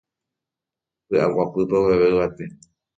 py'aguapýpe oveve yvate